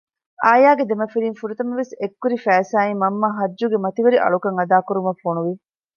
އާޔާގެ ދެމަފިރިން ފުރަތަމަވެސް އެއްކުރި ފައިސާއިން މަންމަ ހައްޖުގެ މަތިވެރި އަޅުކަން އަދާކުރުމަށް ފޮނުވި